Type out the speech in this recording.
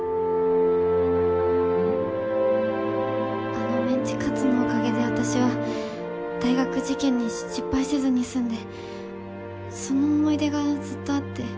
あのメンチカツのおかげで私は大学受験に失敗せずに済んでその思い出がずっとあって。